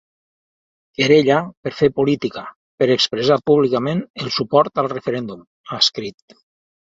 Querella per fer política, per expressar públicament el suport al referèndum, ha escrit.